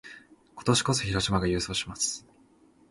今年こそ、広島が優勝します！